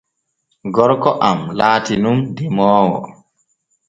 Gorko am laati nun demoowo.